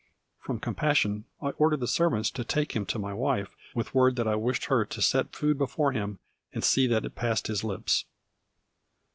From compassion, I ordered the servants to take him to my wife, with word that I wished her to set food before him, and see that it passed his lips.